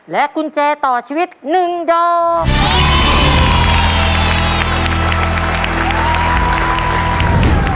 และกุญแจต่อชีวิตหนึ่งดอม